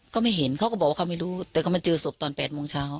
ก็ไม่เห็นเขาก็บอกว่าเขาไม่รู้แต่ก็มาเจอศพตอน๘โมงเช้า